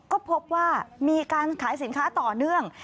ก็พบว่ามีการขายสินค้าต่อเนื่อง